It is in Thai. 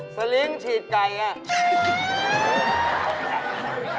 สลิงฉีดไก่ไง